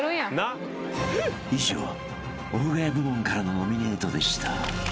［以上オフガヤ部門からのノミネートでした］